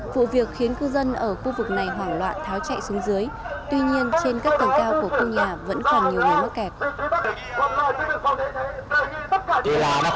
vụ việc khiến cư dân ở khu vực này hoảng loạn tháo chạy xuống dưới tuy nhiên trên các tầng cao của khu nhà vẫn còn nhiều người mắc kẹt